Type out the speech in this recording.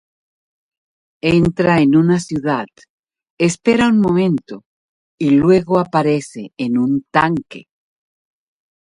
Entra en una ciudad, espera un momento, y luego aparece en un tanque.